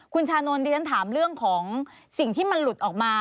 คุณชานนท์ที่ฉันถามเรื่องของสิ่งที่มันหลุดออกมา